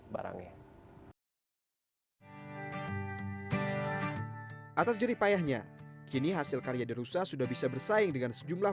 barangnya atas jeripayahnya kini hasil karya derusa sudah bisa bersaing dengan sejumlah